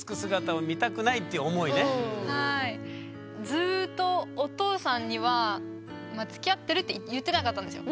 ずっとお父さんには「つきあってる」って言ってなかったんですよ。